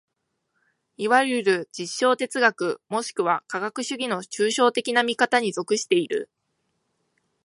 いわゆる実証哲学もしくは科学主義の抽象的な見方に属している。